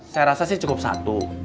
saya rasa sih cukup satu